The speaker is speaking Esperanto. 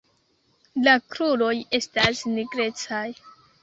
La kruroj estas nigrecaj.